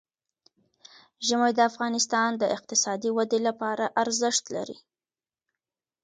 ژمی د افغانستان د اقتصادي ودې لپاره ارزښت لري.